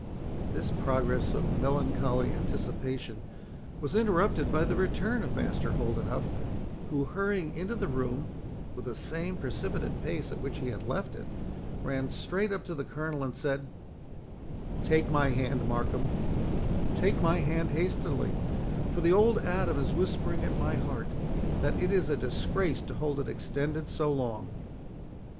This progress of melancholy anticipation was interrupted by the return of Master Holdenough, who, hurrying into the room, with the same precipitate pace at which he had left it, ran straight up to the Colonel, and said, "Take my hand, Markham—take my hand hastily; for the old Adam is whispering at my heart, that it is a disgrace to hold it extended so long."